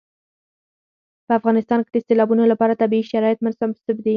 په افغانستان کې د سیلابونو لپاره طبیعي شرایط مناسب دي.